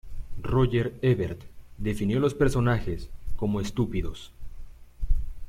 Roger Ebert definió los personajes como "estúpidos".